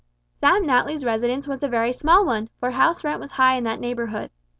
Sam Natly's residence was a very small one, for house rent was high in that neighbourhood.